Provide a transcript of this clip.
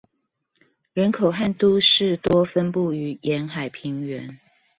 人口和都市多分布於沿海平原